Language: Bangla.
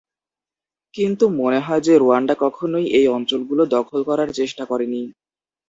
কিন্তু, মনে হয় যে রুয়ান্ডা কখনোই এই অঞ্চলগুলো দখল করার চেষ্টা করেনি।